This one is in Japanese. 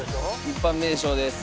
一般名称です。